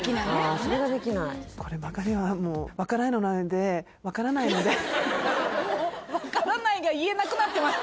あそれができないこればかりはもう分からないので「分からない」が言えなくなってます